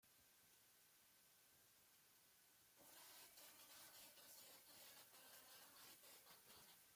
Una vez terminados estos, siguió estudiando con los Hermanos Maristas de Pamplona.